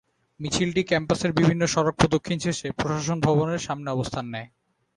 মিছিলটি ক্যাম্পাসের বিভিন্ন সড়ক প্রদক্ষিণ শেষে প্রশাসন ভবনের সামনে অবস্থান নেয়।